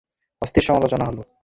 অস্থির আলোচনা হলো।